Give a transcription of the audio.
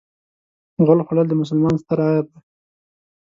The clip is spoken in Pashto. غول خوړل د مسلمان ستر عیب دی.